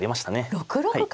６六角。